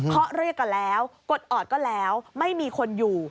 เขาเรียกกันแล้วกดออดก็แล้วไม่มีคนอยู่